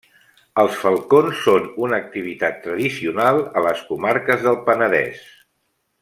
Els falcons són una activitat tradicional a les comarques del Penedès.